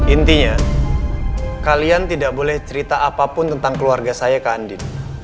intinya kalian tidak boleh cerita apapun tentang keluarga saya ke andin